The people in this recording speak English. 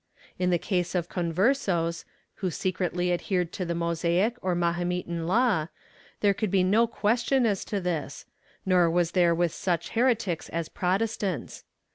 In the case of Conversos, who secretly adhered to the Mosaic or Mahometan law, there could be no question as to this, nor was there with such heretics as Protestants.